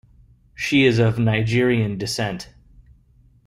She is of Nigerian descent.